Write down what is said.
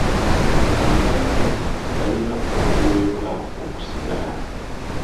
Agamba nti balina obuweebwa okusigala.